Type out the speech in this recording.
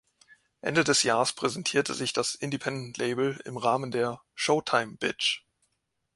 Ende des Jahrs präsentierte sich das Independent-Label im Rahmen der "Showtime, Bitch!